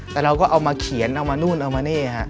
แต่เราก็เอามาเขียนเอามานู่นเอามานี่ฮะ